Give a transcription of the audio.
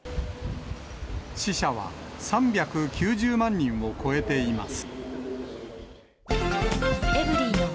死者は３９０万人を超えています。